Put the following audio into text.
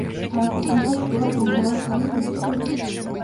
განეკუთვნება შუა ბრინჯაოს ხანის მიწურულს.